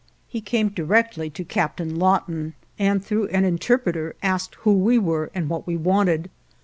He came directly to Captain Lawton and through an interpreter asked who we were and what we wanted.